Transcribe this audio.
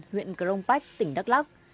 huyện cronpac tỉnh đắk lắk